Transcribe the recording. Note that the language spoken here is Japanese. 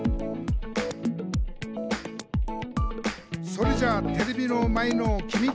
「それじゃテレビの前のきみ！」